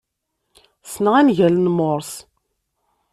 Ssneɣ angal n Morse.